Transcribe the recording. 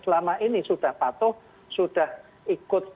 selama ini sudah patuh sudah ikut